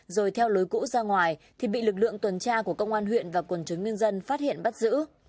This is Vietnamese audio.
rồi theo lối cũ ra ngoài thì bị lực lượng tuần tra của công an huyện và quần chúng nhân dân phát hiện bắt giữ